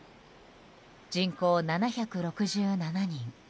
人口７６７人。